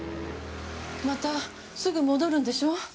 またすぐ戻るんでしょう？